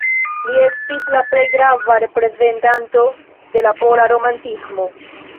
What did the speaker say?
Li estis la plej grava reprezentanto de la pola romantismo.